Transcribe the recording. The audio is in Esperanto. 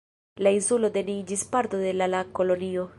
La insulo do ne iĝis parto de la la kolonio.